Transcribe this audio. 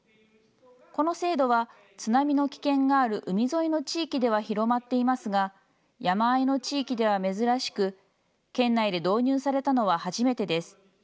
この制度は、津波の危険がある海沿いの地域では広まっていますが、山あいの地域では珍しく、県内で導入されたのは初めてです。